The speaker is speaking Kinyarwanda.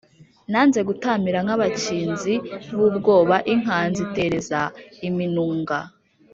Nanze gutamira nk'abakinzi b'ubwoba, inka tuzitereza iminunga;